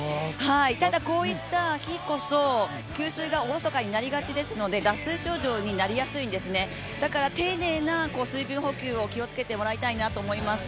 ただこういった日こそ、給水がおろそかになりがちですので脱水症状になりやすいんですねだから丁寧な水分補給を気をつけてもらいたいなと思います。